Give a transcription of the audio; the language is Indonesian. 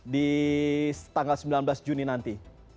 di tanggal sembilan belas juni nanti